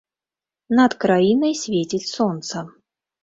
Над краінай свеціць сонца.